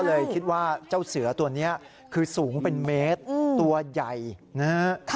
เลยคิดว่าเจ้าเสือตัวนี้คือสูงเป็นเมตรตัวใหญ่นะฮะ